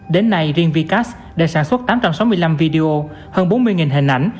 đến nay riêng vcas đã sản xuất tám trăm sáu mươi năm video hơn bốn mươi hình ảnh